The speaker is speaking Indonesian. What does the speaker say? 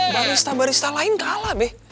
barista barista lain kalah deh